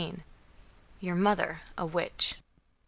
"YOUR MOTHER A WITCH."